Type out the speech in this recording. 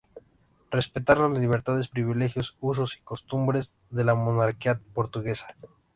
Respetar las libertades, privilegios, usos y costumbres de la monarquía portuguesa.